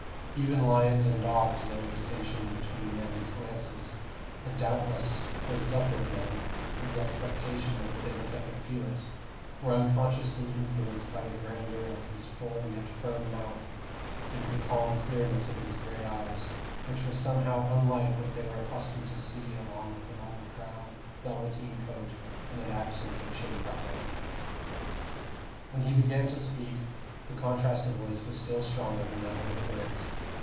Even lions and dogs know a distinction between men's glances; and doubtless those Duffield men, in the expectation with which they looked up at Felix, were unconsciously influenced by the grandeur of his full yet firm mouth, and the calm clearness of his gray eyes, which were somehow unlike what they were accustomed to see along with an old brown velveteen coat, and an absence of chin propping. When he began to speak, the contrast of voice was still stronger than that of appearance.